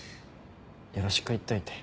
よろしく言っといて。